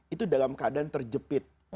itu dalam keadaan terjepit